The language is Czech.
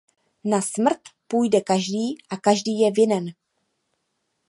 Na smrt půjde každý a každý je vinen.